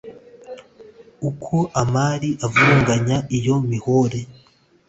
Ukwo amira avuruganya iyo mihore